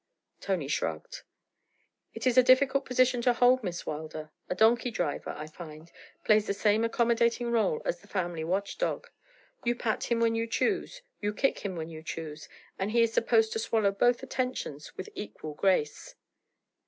Tony shrugged. 'It is a difficult position to hold, Miss Wilder. A donkey driver, I find, plays the same accommodating rôle as the family watch dog. You pat him when you choose; you kick him when you choose; and he is supposed to swallow both attentions with equal grace.'